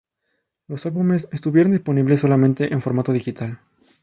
Los álbumes estuvieron disponibles solamente en formato digital.